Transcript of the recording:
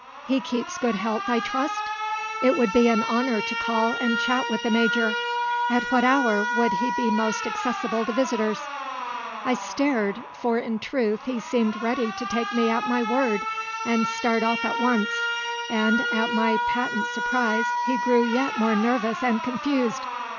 "He keeps good health, I trust? It would be an honour to call and chat with the Major. At what hour would he be most accessible to visitors?" I stared, for in truth he seemed ready to take me at my word and start off at once, and at my patent surprise he grew yet more nervous and confused.